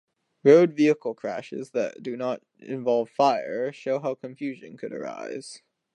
Road-vehicle crashes that do not involve fire show how confusion could arise.